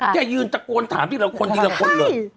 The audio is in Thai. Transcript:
แกยืนตะโกนถามทีละคนทีละคนเลย